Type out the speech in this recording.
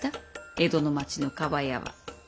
江戸の町の厠は。